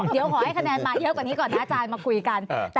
เดี๋ยวขอให้คะแนนมาเยอะกว่านี้ก่อนนะอาจารย์มาคุยกัน